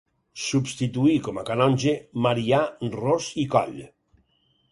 Substituí, com a canonge, Marià Ros i Coll.